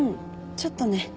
ちょっとね。